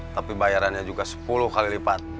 tapi bayarannya juga sepuluh kali lipat